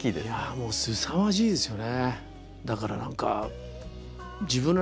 もうすさまじいですよね。